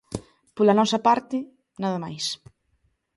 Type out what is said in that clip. Pola nosa parte, nada máis.